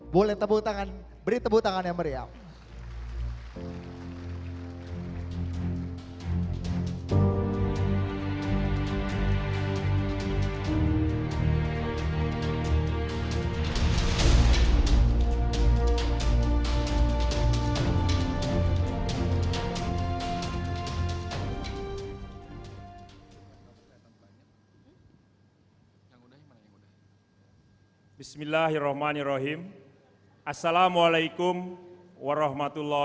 boleh tepuk tangan beri tepuk tangan yang meriam